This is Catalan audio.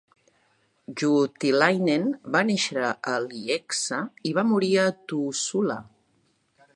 Juutilainen va néixer a Lieksa i va morir a Tuusula.